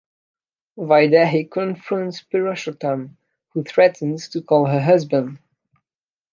Vaidehi confronts Puroshottam, who threatens to call her husband.